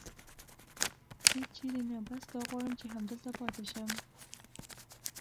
هېڅ چېرې نه، بس دا غواړم چې همدلته پاتې شم.